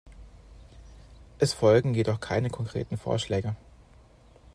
Es folgen jedoch keine konkreten Vorschläge.